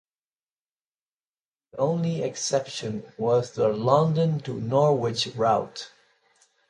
The only exception was the London to Norwich route.